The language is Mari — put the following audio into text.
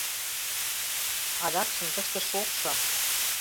Адакшым тыште шокшо.